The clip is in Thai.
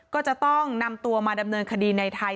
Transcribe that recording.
ก็จะต้องนำตัวมาดำเนินคดีในไทย